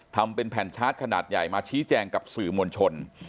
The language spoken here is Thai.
ทำเป็นแผ่นชาร์จขนาดใหญ่มาชี้แจงกับสื่อมวลชน